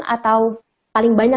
atau paling banyak